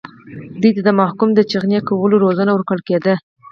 دوی ته د محکوم د چخڼي کولو روزنه ورکول کېده.